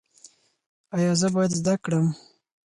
ایا زه باید زده کړم؟